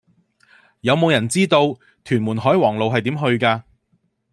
有無人知道屯門海皇路係點去㗎